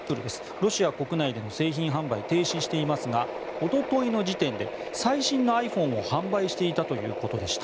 ロシア国内での製造販売を停止していますがおとといの時点で最新のｉＰｈｏｎｅを販売していたということでした。